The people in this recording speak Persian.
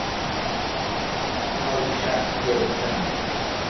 نازشست گرفتن